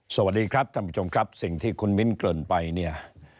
สวัสดีครับท่านผู้ชมครับสิ่งที่คุณมิ้นเกินไปเนี่ย